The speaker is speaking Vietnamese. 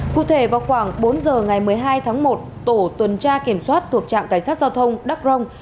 cụ thể vào khoảng bốn giờ ngày một mươi hai tháng một tổ tuần tra kiểm soát thuộc trạm cảnh sát giao thông đắc rông